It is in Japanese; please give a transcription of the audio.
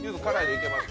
いけます。